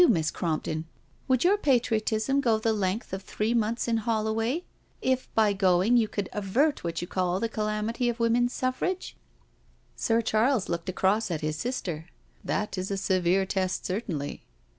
Miss Crompton, would your pa triotism go the length of three months in Holloway, if by going you could avert what you call. the calamity of Women's Suffrage?" THE DINNER PARTY 231 Sir Charles looked across at his sister. " That is a severe test certainly.